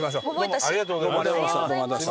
ありがとうございます。